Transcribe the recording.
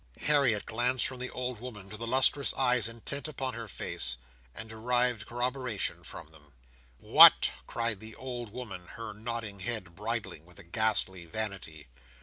Harriet glanced from the old woman to the lustrous eyes intent upon her face, and derived corroboration from them. "What!" cried the old woman, her nodding head bridling with a ghastly vanity.